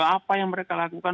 apa yang mereka lakukan